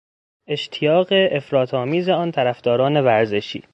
اشتیاق افراطآمیز آن طرفداران ورزش